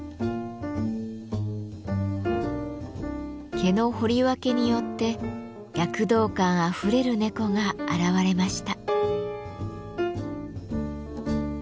毛の彫り分けによって躍動感あふれる猫が現れました。